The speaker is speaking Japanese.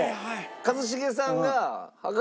一茂さんは。